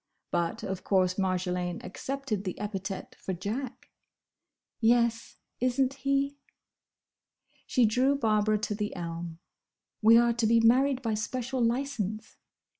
But, of course Marjolaine accepted the epithet for Jack. "Yes, is n't he?" She drew Barbara to the elm. "We are to be married by special licence."